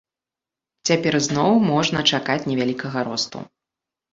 Цяпер зноў можна чакаць невялікага росту.